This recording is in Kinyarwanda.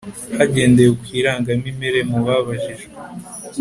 Hagendewe ku irangamimerere mu babajijwe